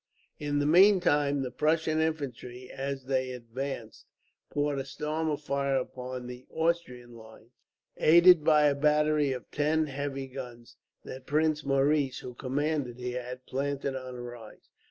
In the meantime the Prussian infantry, as they advanced, poured a storm of fire upon the Austrian line, aided by a battery of ten heavy guns that Prince Maurice, who commanded here, had planted on a rise.